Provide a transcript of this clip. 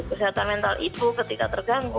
kesehatan mental ibu ketika terganggu